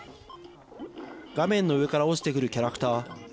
画面の上から落ちてくるキャラクター。